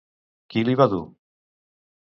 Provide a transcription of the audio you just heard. Qui li va dur?